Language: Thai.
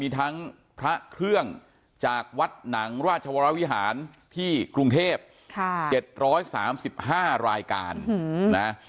ทั้งพระเครื่องจากวัดหนังราชวรวิหารที่กรุงเทพ๗๓๕รายการนะ